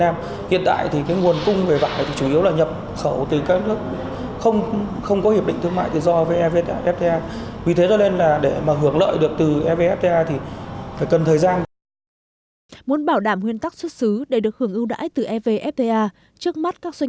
muốn bảo đảm nguyên tắc xuất xứ để được hưởng ưu đãi từ evfta trước mắt các doanh